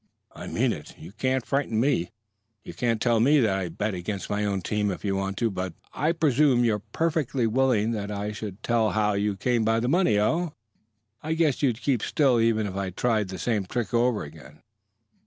I mean it. You can't frighten me. You can tell that I bet against my own team if you want to, but " "I presume you're perfectly willing that I should tell how you came by the money? Oh, I guess you'd keep still even if I tried the same trick over again."